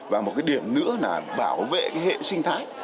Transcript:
và một điểm nữa là bảo vệ hệ sinh thái